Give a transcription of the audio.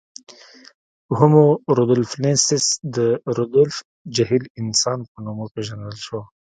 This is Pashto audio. هومو رودولفنسیس د رودولف جهیل انسان په نوم وپېژندل شو.